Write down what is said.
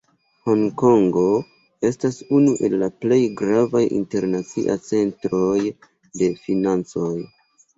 Honkongo estas unu el la plej gravaj internaciaj centroj de financoj.